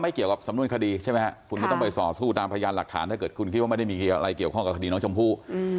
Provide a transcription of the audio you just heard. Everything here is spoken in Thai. ถ้ามีโอกาสนะครับเป็นคนดีคนหนึ่งนะครับอาจจะไม่ดีทั้งหมด